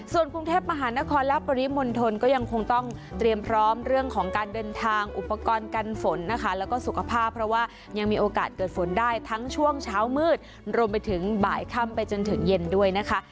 ส่วนกรุงเทพมหานครและปริมณฑลก็ยังคงต้องเตรียมพร้อมเรื่องของการเดินทางอุปกรณ์กันฝนนะคะแล้วก็สุขภาพเพราะว่ายังมีโอกาสเกิดฝนได้ทั้งช่วงเช้ามืดรวมไปถึงบ่ายค่ำไปจนถึงเย็นด้วยนะคะ